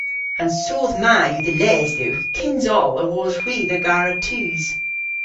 An soodh ma yw dhe les dhywgh kyns oll awos hwi dhe gara tus.